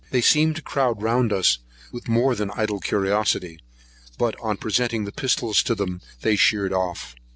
They seemed to crowd round us with more than idle curiosity; but, on presenting the pistols to them, they sheered off.